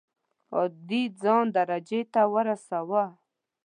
عادي خان درجې ته ورساوه.